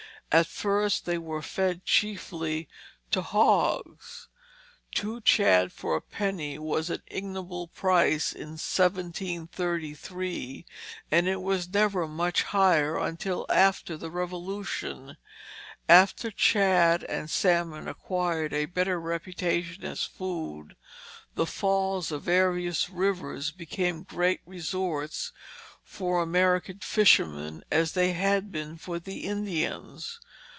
At first they were fed chiefly to hogs. Two shad for a penny was the ignoble price in 1733, and it was never much higher until after the Revolution. After shad and salmon acquired a better reputation as food, the falls of various rivers became great resorts for American fishermen as they had been for the Indians.